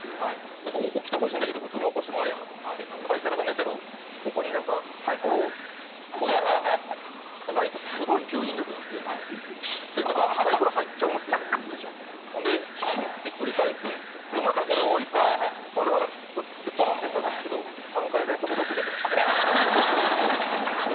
なんか起きてほしいんだけど、普通に起こしてもあれかなと思って、相方が寝ているここになんか、サイコロを置いたら、なんかあいつ、すごい吸引力でなんかサイコロ入っちゃうんですよ、ほんで、ふんって繰り返すんですけれども、またこれを置いて、ほんでまたすっとすると、ぽんってなるんですけど、３回連続６が出ました。